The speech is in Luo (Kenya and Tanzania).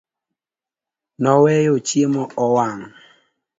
Noweyo chiemo owang'